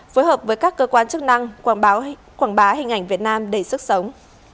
phối hợp với các cơ quan chức năng quảng bá hình ảnh việt nam đầy sức sống